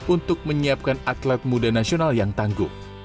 untuk menyiapkan atlet muda nasional yang tangguh